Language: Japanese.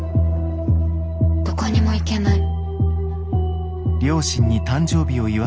どこにも行けない。